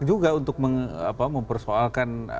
juga untuk mempersoalkan